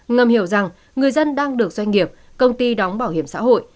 ngầm hiểu rằng người dân đang được doanh nghiệp công ty đóng bảo hiểm xã hội